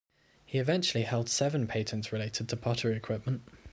He eventually held seven patents related to pottery equipment.